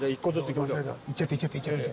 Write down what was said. いっちゃっていっちゃっていっちゃって。